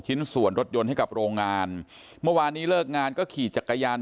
ชิ้นส่วนรถยนต์ให้กับโรงงานเมื่อวานนี้เลิกงานก็ขี่จักรยาน